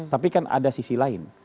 tapi kan ada sisi lain